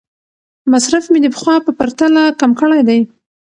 مصرف مې د پخوا په پرتله کم کړی دی.